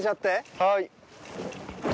はい。